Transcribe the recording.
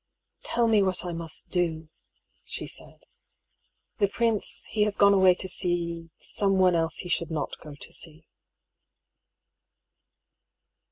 " Tell me what I must do," she said. " The prince he has gone away to see, someone else he should not go to see."